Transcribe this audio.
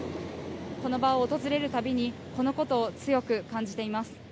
この場を訪れるたびに、このことを強く感じています。